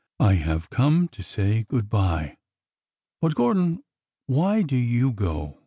I have come to say good by." " But, Gordon, why do you go